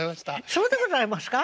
そうでございますか？